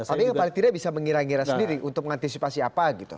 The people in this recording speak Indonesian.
tapi yang paling tidak bisa mengira ngira sendiri untuk mengantisipasi apa gitu